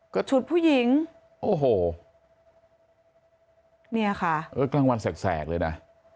ก็ฉุดผู้หญิงโอ้โหเนี่ยค่ะเออกลางวันแสกเลยนะ